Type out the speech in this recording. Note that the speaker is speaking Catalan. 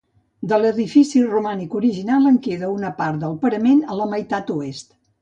De l'edifici romànic original, en queda una part del parament a la meitat oest.